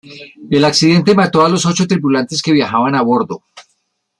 El accidente mató a los ocho tripulantes que viajaban a bordo.